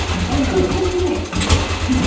でもペンギンが寄ってくるんです。